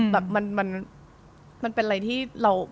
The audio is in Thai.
แบบมันเป็นอะไรที่เรา